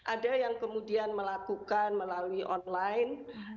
ada yang kemudian melakukan melalui online